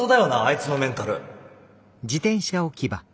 いつのメンタル。